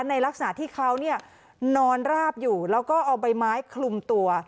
ในลักษณะที่เขานอนราบอยู่แล้วก็เอาใบไม้คลุมตัว